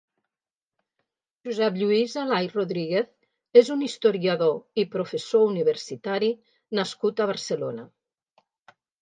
Josep Lluís Alay Rodríguez és un historiador i professor universitari nascut a Barcelona.